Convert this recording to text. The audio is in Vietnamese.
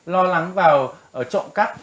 lo lắng vào trộm cắt